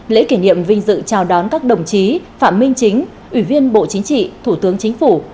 lễ kỷ niệm vinh dự chào đón các đồng chí phạm minh chính ủy viên bộ chính trị thủ tướng chính phủ